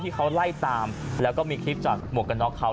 ที่เขาไล่ตามแล้วก็มีคลิปจากหมวกกันน็อกเขา